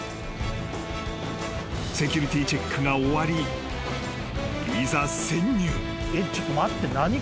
［セキュリティーチェックが終わりいざ潜入］